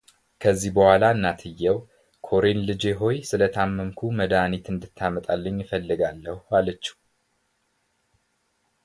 ከዚህ በኋላ እናትየው ኮሬን ልጄ ሆይ ስለታመምኩ መድኃኒት እንድታመጣልኝ እፈልጋለሁ አለችው፡፡